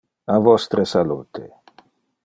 A vostre salute!